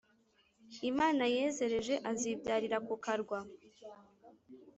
imana yazereje azibyarira ku karwa.